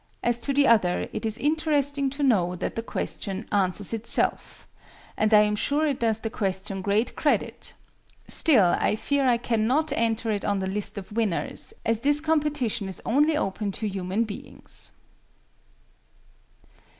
As to the other, it is interesting to know that the question "answers itself," and I am sure it does the question great credit: still I fear I cannot enter it on the list of winners, as this competition is only open to human beings.